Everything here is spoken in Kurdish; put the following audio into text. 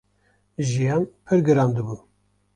jiyan pir giran dibû.